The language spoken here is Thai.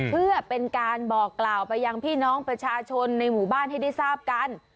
เพื่อเป็นการบอกกล่าวไปยังพี่น้องประชาชนในหมู่บ้านให้ได้ทราบกัน